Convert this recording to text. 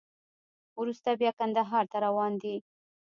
وروسته بیا کندهار ته روان دی.